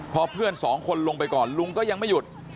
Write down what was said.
พอเพื่อนสองคนลงไปก่อนลุงก็ยังไม่หยุด